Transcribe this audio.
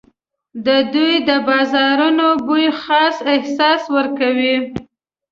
د دوی د بازارونو بوی خاص احساس ورکوي.